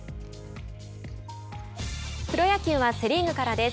プロ野球はセ・リーグからです。